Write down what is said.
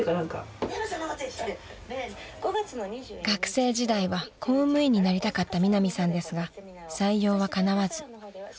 ［学生時代は公務員になりたかったミナミさんですが採用はかなわず］